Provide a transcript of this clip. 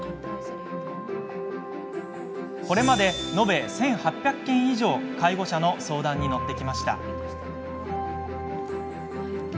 これまで、延べ１８００件以上介護者の相談に乗ってきました。